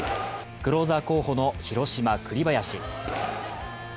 クローザー候補の広島・栗林。